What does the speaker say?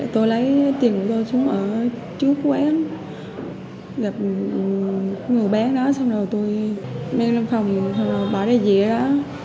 tôi lấy tiền của tôi xuống ở trước quán gặp người bán đó xong rồi tôi mang lên phòng xong rồi bỏ ra dĩa đó